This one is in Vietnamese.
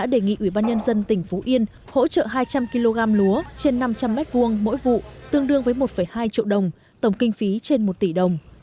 đã đề nghị ubnd tp yên hỗ trợ hai trăm linh kg lúa trên năm trăm linh m hai mỗi vụ tương đương với một hai triệu đồng tổng kinh phí trên một tỷ đồng